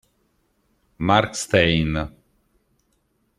Marc Stein